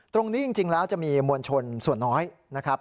ตรงนี้จริงแล้วจะมีมวลชนส่วนน้อยนะครับ